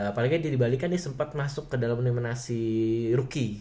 apalagi dia di bali kan dia sempat masuk ke dalam nominasi rookie